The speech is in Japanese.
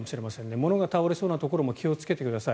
物が倒れそうなところも気をつけてください。